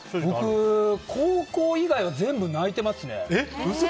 僕、高校以外は全部泣いてますね。